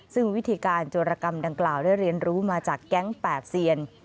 ซึ่งวิธีการโจรกรรมดังกล่าวได้เรียนรู้มาจากแก๊ง๘เซียน